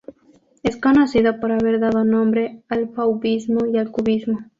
Es conocido por haber dado nombre al Fauvismo y al Cubismo.